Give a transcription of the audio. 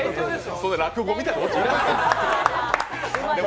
そんな落語みたいなオチいらないっすよ。